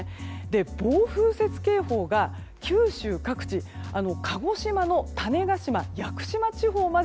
暴風雪警報が九州各地、鹿児島の種子島や屋久島地方まで